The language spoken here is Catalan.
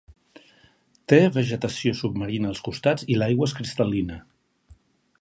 Té vegetació submarina als costats i l'aigua és cristal·lina.